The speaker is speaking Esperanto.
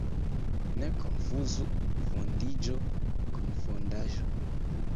Ne konfuzu fondiĝo kun fondaĵo.